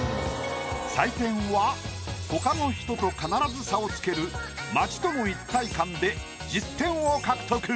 採点は他の人と必ず差をつける「街との一体感」で１０点を獲得。